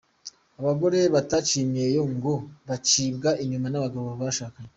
Abagore bataciye imyeyo ngo bacibwa inyuma n’abo bashakanye.